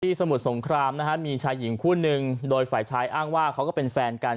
สมุทรสงครามนะฮะมีชายหญิงคู่นึงโดยฝ่ายชายอ้างว่าเขาก็เป็นแฟนกัน